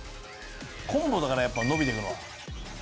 コンボだからやっぱ伸びていくのは。